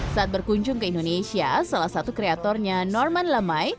saat berkunjung ke indonesia salah satu kreatornya norman lamai